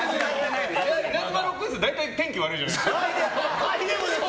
イナズマロックフェス大体、天気悪いじゃないですか！